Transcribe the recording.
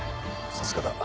さすがだ。